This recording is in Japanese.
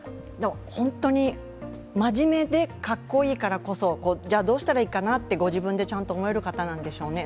本当に真面目でかっこいいからこそじゃあどうしたらいいかなとご自分でちゃんと思える人なんでしょうね。